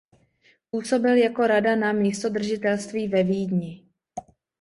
Působil jako rada na místodržitelství ve Vídni.